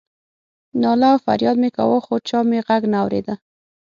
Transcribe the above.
ناله او فریاد مې کاوه خو چا مې غږ نه اورېده.